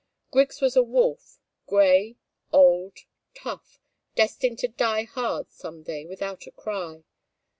Griggs was a wolf, grey, old, tough, destined to die hard some day without a cry.